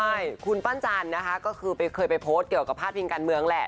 ใช่คุณปั้นจันทร์นะคะก็คือเคยไปโพสต์เกี่ยวกับพาดพิงการเมืองแหละ